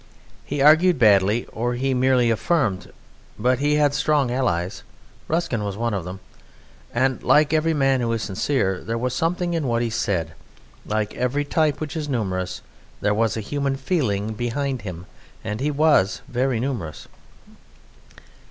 He argued badly or he merely affirmed, but he had strong allies (Ruskin was one of them), and, like every man who is sincere, there was something in what he said; like every type which is numerous, there was a human feeling behind him: and he was very numerous.